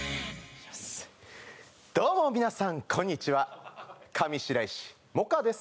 どうも皆さんこんにちは上白石萌歌です